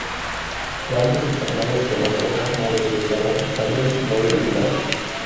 Plantas desarmados con las hojas no agregadas basales; no auriculadas.